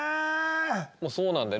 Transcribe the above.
そうなんだよね。